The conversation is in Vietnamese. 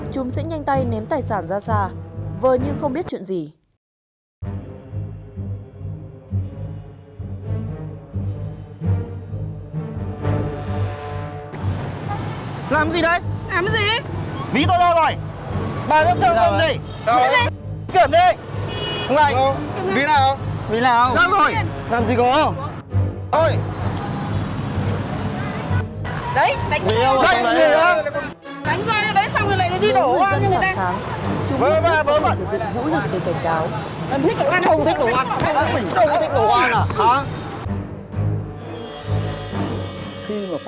chúng có trường hợp